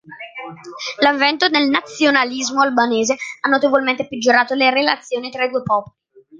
L'avvento del nazionalismo albanese ha notevolmente peggiorato le relazioni tra i due popoli.